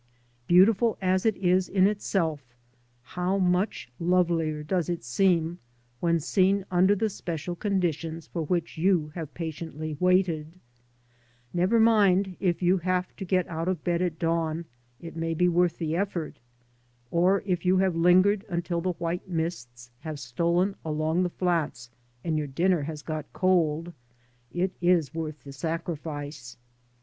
Beautiful as it is in itself, how much lovelier does it seem when seen under the special conditions for which you have patiently waited I Never mind if you have to get out of bed at dawn, it may be worth the effort ; or if you have lingered until the white mists have stolen along the flats, and your dinner has got cold, it is worth the sacrifice.